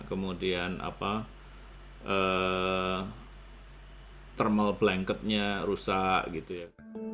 kemudian apa thermal blanketnya rusak gitu ya